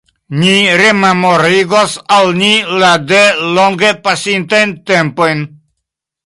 Ni rememorigos al ni la de longe pasintajn tempojn.